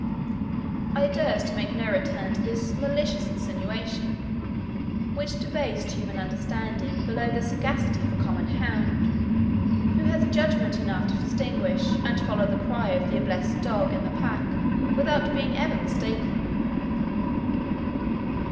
I durst make no return to this malicious insinuation, which debased human understanding below the sagacity of a common hound, who has judgment enough to distinguish and follow the cry of the ablest dog in the pack, without being ever mistaken.